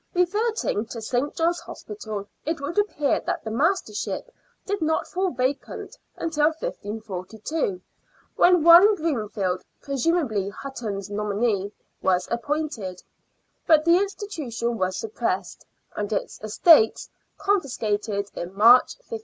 Reverting to St. John's Hospital, it would appear that the mastership did not fall vacant until 1542, when one Bromefield, presumably Hutton's nominee, was appointed ; but the institution was suppressed and its estates confisca ted in March, 1544.